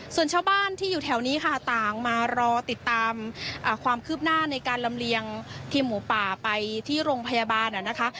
ส่วนชาวบ้านที่อยู่แถวนี้ค่ะต่างมารอติดตามความคืบหน้าในการลำเลียงทีมหมูป่าไปที่โรงพยาบาลนะคะ